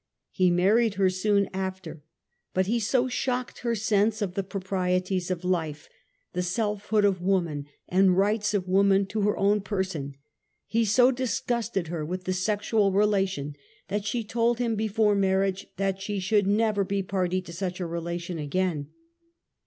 He married her soon after. IBut he so shocked her sense of the proprieties of life, the selfhood of woman and rights of woman to lier own person, he so disgusted her with the sexual relation that she told him before marriage that she should never be party to such a relation again.